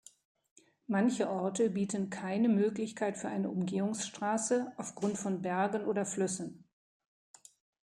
Manche Orte bieten keine Möglichkeit für eine Umgehungsstraße auf Grund von Bergen oder Flüssen.